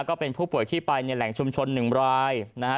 ก็เป็นผู้ป่วยที่ไปในแหล่งชุมชน๑รายนะฮะ